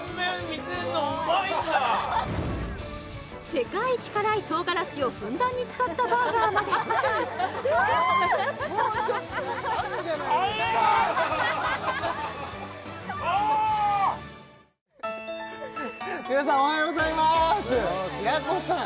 世界一辛い唐辛子をふんだんに使ったバーガーまで皆さんおはようございます平子さん